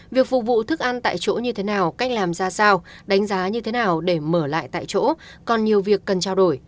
việc phục vụ thức ăn tại chỗ như thế nào cách làm ra sao đánh giá như thế nào để mở lại tại chỗ còn nhiều việc cần trao đổi